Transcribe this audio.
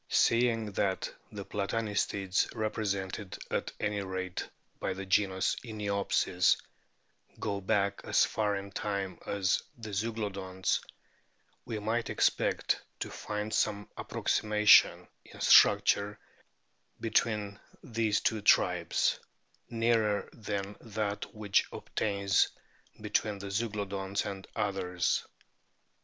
Seeing that the Platanistids (represented at any rate by the genus Iniopsis) go back as far in time as the Zeuglodonts, we might expect to find some approximation in structure between these two tribes, nearer than that which obtains between the Zeuglo donts and others.